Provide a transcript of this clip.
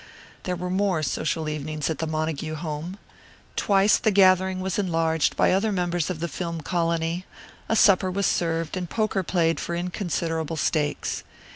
There were more social evenings at the Montague home. Twice the gathering was enlarged by other members of the film colony, a supper was served and poker played for inconsiderable stakes.